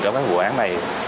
trong cái vụ án này